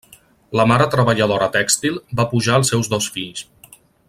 La mare treballadora tèxtil va pujar els seus dos fills.